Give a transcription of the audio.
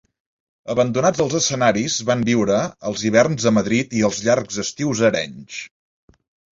Abandonats els escenaris, van viure, els hiverns a Madrid i els llargs estius a Arenys.